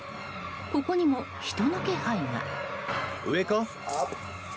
ここにも人の気配が。